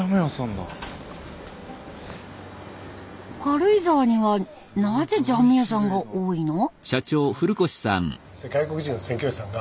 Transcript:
軽井沢にはなぜジャム屋さんが多いの？